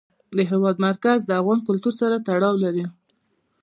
د هېواد مرکز د افغان کلتور سره تړاو لري.